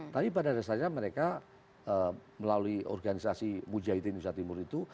tapi pada dasarnya mereka melalui organisasi mujahidin indonesia timur itu